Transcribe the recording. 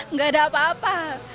nggak ada apa apa